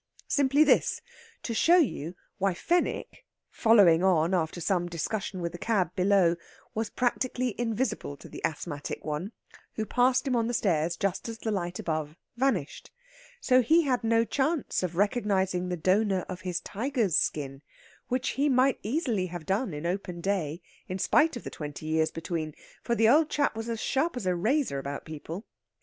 Simply this: to show you why Fenwick, following on after some discussion with the cab below, was practically invisible to the asthmatic one, who passed him on the stairs just as the light above vanished. So he had no chance of recognizing the donor of his tiger's skin, which he might easily have done in open day, in spite of the twenty years between, for the old chap was as sharp as a razor about people.